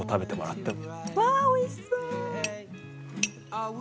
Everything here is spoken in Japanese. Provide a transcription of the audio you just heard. わあおいしそう！